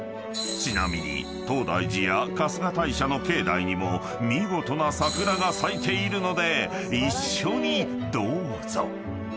［ちなみに東大寺や春日大社の境内にも見事な桜が咲いているので一緒にどうぞ］